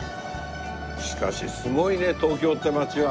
しかしすごいね東京って街は。